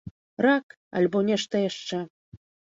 Рак, альбо нешта яшчэ.